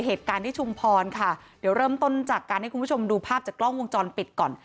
เหตุการณ์ที่ชุมพรค่ะเดี๋ยวเริ่มต้นจากการให้คุณผู้ชมดูภาพจากกล้องวงจรปิดก่อน